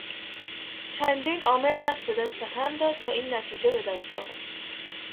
چندین عامل دست به دست هم داد تا این نتیجه به دست آمد.